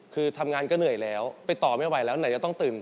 คือทำงานก็เหนื่อยแล้วไปต่อไม่ไหวแล้วไหนจะต้องตื่น